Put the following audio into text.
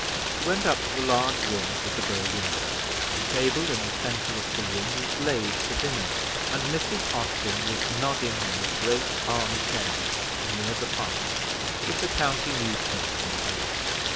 He went up to the large room with the bow window. The table in the centre of the room was laid for dinner, and Mrs. Austin was nodding in a great arm chair near the fire, with the county newspaper in her lap.